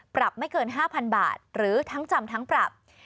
ปรับไม่เกิน๕๐๐๐บาทหรือทั้งจำทั้งปรับ